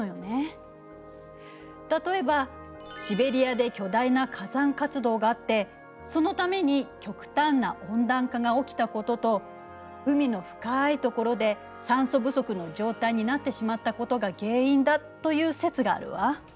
例えばシベリアで巨大な火山活動があってそのために極端な温暖化が起きたことと海の深いところで酸素不足の状態になってしまったことが原因だという説があるわ。